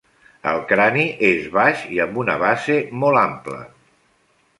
El crani és baix i amb una base molt ampla.